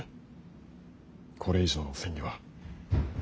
これ以上の詮議は。